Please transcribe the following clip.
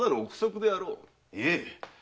いえ。